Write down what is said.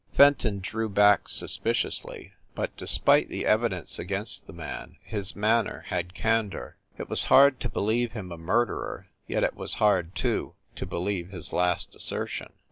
Fenton drew back suspiciously, but, despite the THE NORCROSS APARTMENTS 269 evidence against the man, his manner had candor. It was hard to believe him a murderer, yet it was hard, too, to believe his last assertion.